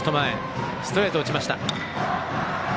ストレートを打ちました。